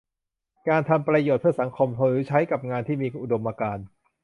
การทำประโยชน์เพื่อสังคม หรือใช้กับงานที่มีอุดมการณ์